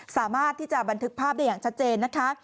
สามารถที่จะบันทึกภาพได้อย่างชัดเจนนะคะ